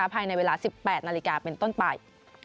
ภายในเวลา๑๘นาฬิกาเป็นต้นไป